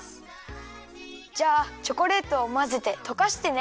じゃあチョコレートをまぜてとかしてね。